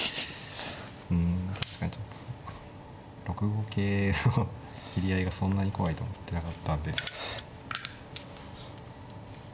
うん確かにちょっと６五桂の斬り合いがそんなに怖いと思ってなかったんで。